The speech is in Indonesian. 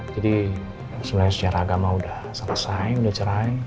jadi sebenernya secara agama udah selesai udah cerai